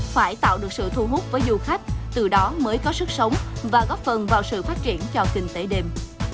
phải tạo được sự thu hút với du khách từ đó mới có sức sống và góp phần vào sự phát triển cho kinh tế đêm